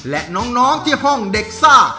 และน้องที่ห้องเด็กซ่า